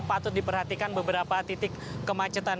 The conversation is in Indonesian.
patut diperhatikan beberapa titik kemacetan